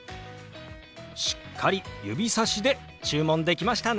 しっかり指さしで注文できましたね。